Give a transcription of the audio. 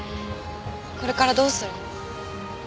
これからどうするの？